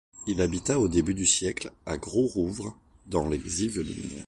Il habita au début du siècle à Grosrouvre dans les Yvelines.